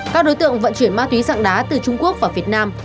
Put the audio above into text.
các đối tượng vận chuyển ma túy sạng đá từ trung quốc và việt nam